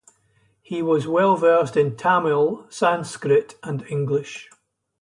He was well-versed in Tamil, Sanskrit, and English.